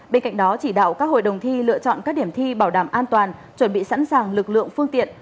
bên cạnh đó chỉ đạo các hội đồng thi lựa chọn các điểm thi bảo đảm an toàn chuẩn bị sẵn sàng lực lượng phương tiện